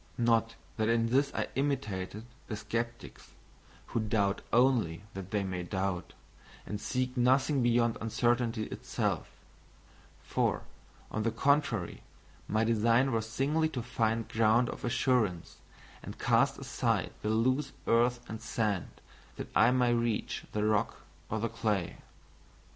Not that in this I imitated the sceptics who doubt only that they may doubt, and seek nothing beyond uncertainty itself; for, on the contrary, my design was singly to find ground of assurance, and cast aside the loose earth and sand, that I might reach the rock or the clay.